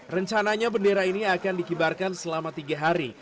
rencananya bendera ini akan dikibarkan selama tiga hari